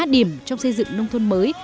điểm trong xây dựng nông thôn mới